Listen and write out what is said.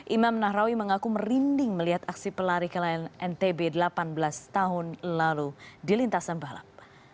imam nahrawi mengaku merinding melihat aksi pelari kelain ntb delapan belas tahun lalu di lintasan balap